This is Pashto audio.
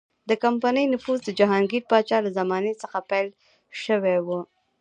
د کمپنۍ نفوذ د جهانګیر پاچا له زمانې څخه پیل شوی و.